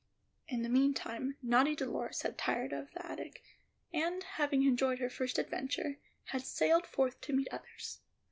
In the meantime, naughty Dolores had tired of the attic, and, having enjoyed her first adventure, had sallied forth to meet others.